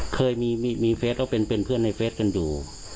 เคยมีเฟสแล้วเป็นเพื่อนในเฟสกันอยู่